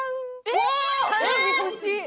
えっ！